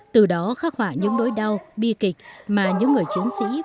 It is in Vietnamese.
từ đó khắc hỏa những đối đau bi kịch mà những người chiến sĩ phải trải qua